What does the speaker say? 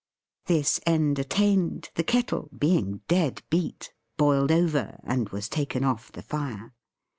This end attained, the Kettle, being dead beat, boiled over, and was taken off the fire.